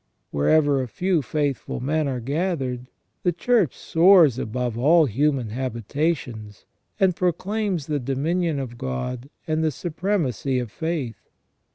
Wherever a few faithful men are gathered, the Church soars above all human habitations, and proclaims the dominion of God and the supremacy of faith.